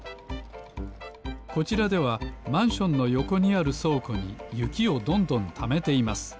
こちらではマンションのよこにあるそうこにゆきをどんどんためています